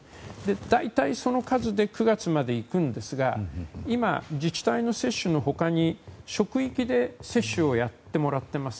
大体その数で９月までいくんですが今、自治体の接種のほかに職域で接種をやってもらっています。